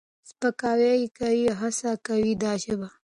سپکاوی یې کوي او هڅه کوي دا ژبه